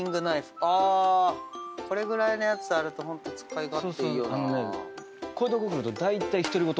これぐらいのやつあるとホント使い勝手いいよなぁ。